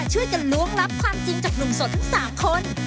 ช่วยกันล้วงลับความจริงจากหนุ่มโสดทั้ง๓คน